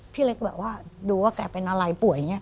พี่เล็กแบบว่าดูว่าแกเป็นอะไรป่วยอย่างนี้